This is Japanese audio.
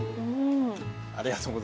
ありがとうございます。